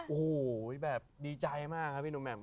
โอ้โหแบบดีใจมากครับพี่หนุ่มแหม่